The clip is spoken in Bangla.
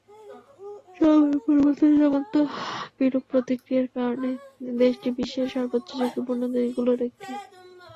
জলবায়ু পরিবর্তনজনিত বিরূপ প্রতিক্রিয়ার কারণে দেশটি বিশ্বের সর্বোচ্চ ঝুঁকিপূর্ণ দেশগুলোর একটি।